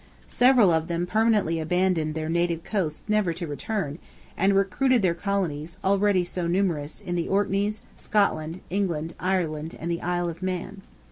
Several of them permanently abandoned their native coasts never to return, and recruited their colonies, already so numerous, in the Orkneys, Scotland, England, Ireland, and the Isle of Man.